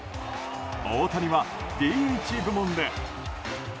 大谷はＤＨ部門で。